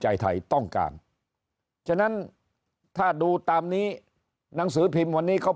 ใจไทยต้องการฉะนั้นถ้าดูตามนี้หนังสือพิมพ์วันนี้เขา